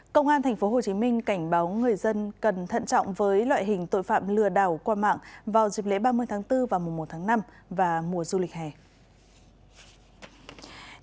công an tp hcm cảnh báo người dân cần thận trọng với loại hình tội phạm lừa đảo qua mạng vào dịp lễ ba mươi tháng bốn và mùa một tháng năm và mùa du lịch hè